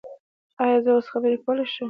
ایا زه اوس خبرې کولی شم؟